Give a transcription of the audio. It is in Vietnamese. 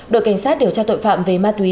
đội cảnh sát điều tra tội phạm về ma túy